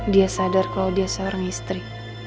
dia sadar kalau dia seorang istri